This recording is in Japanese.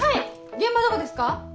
現場どこですか？